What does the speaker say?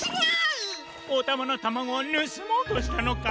おたまのタマゴをぬすもうとしたのか？